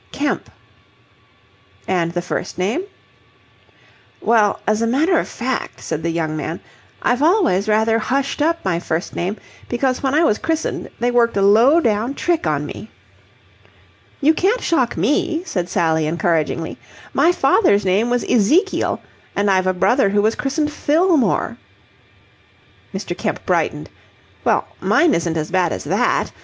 "Kemp." "And the first name?" "Well, as a matter of fact," said the young man, "I've always rather hushed up my first name, because when I was christened they worked a low down trick on me!" "You can't shock me," said Sally, encouragingly. "My father's name was Ezekiel, and I've a brother who was christened Fillmore." Mr. Kemp brightened. "Well, mine isn't as bad as that...